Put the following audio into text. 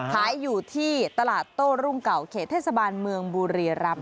ขายอยู่ที่ตลาดโต้ลุ้งเก่าเขตเทศรรภ์เมืองบุรีรัมป์